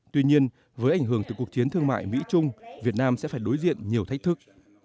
tuy nhiên với ảnh hưởng từ cuộc chiến thương mại mỹ trung việt nam sẽ phải đối diện nhiều thách thức